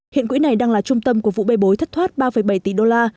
hiện quỹ này đang là trung tâm của vụ bê bối thất thoát ba bảy tỷ đô la